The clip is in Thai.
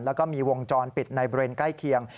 แล้วก็มีวงจรปิดในบริเวณใกล้เคียง